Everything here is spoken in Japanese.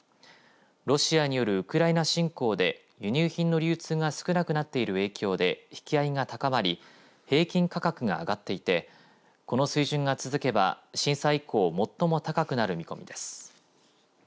ロシアによるウクライナ侵攻で輸入品の流通が少なくなっている影響で引き合いが高まり平均価格が上がっていてこの水準が続けば、震災以降最も高くなる見込みです。